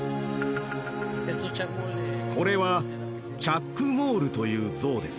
これは「チャックモール」という像です。